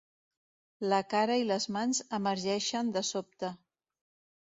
La cara i les mans emergeixen de sobte.